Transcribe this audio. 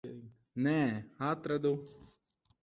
Nē, atradu.